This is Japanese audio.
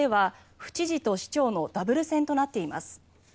大阪では府知事と市長のダブル選となっています。